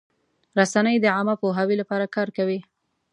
رسنۍ د عامه پوهاوي لپاره کار کوي.